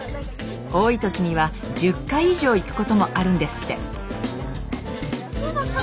多い時には１０回以上行くこともあるんですって。